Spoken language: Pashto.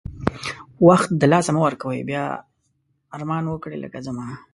وخت د لاسه مه ورکوی بیا ارمان وکړی لکه زما